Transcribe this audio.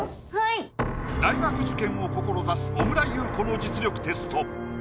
はい大学受験を志す小倉優子の実力テスト